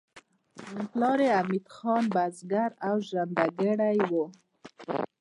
پلار یې عبدالحمید خان بزګر او ژرندګړی و